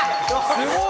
すごい。